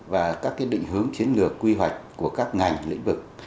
và các định hướng chiến lược quy hoạch của các ngành lĩnh vực